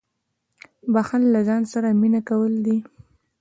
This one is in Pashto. • بښل له ځان سره مینه کول دي.